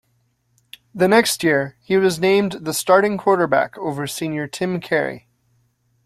The next year, he was named the starting quarterback over senior Tim Carey.